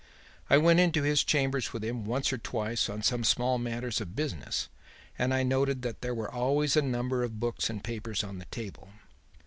I went into his chambers with him once or twice on some small matters of business and I noticed that there were always a number of books and papers on the table.